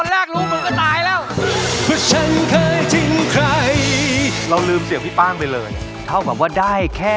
รักใส่ตามไม่ได้อ่ะรู้เลยว่าใครอ่ะ